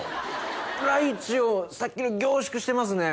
ライチをさっきの凝縮してますね。